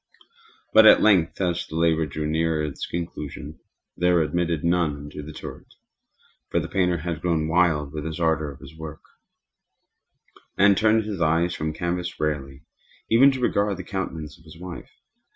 But at length, as the labor drew nearer to its conclusion, there were admitted none into the turret; for the painter had grown wild with the ardor of his work, and turned his eyes from canvas merely, even to regard the countenance of his wife.